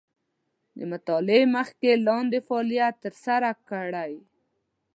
د مطالعې مخکې لاندې فعالیت تر سره کړئ.